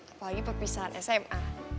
apalagi perpisahan smm